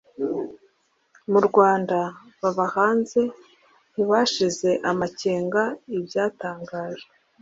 mu Rwanda baba hanze, ntibashize amakenga ibyatangajwe